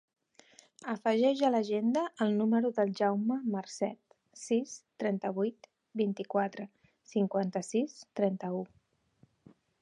Afegeix a l'agenda el número del Jaume Marcet: sis, trenta-vuit, vint-i-quatre, cinquanta-sis, trenta-u.